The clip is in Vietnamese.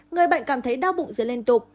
người bệnh cảm thấy đau bụng dưới liên tục